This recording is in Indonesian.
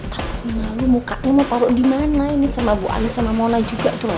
tapi malu mukanya mau parut dimana ini sama bu anis sama mona juga tuh